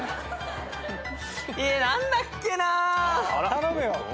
何だっけな！